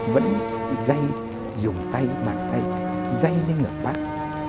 vẫn dây dùng tay bàn tay dây lên ngực bác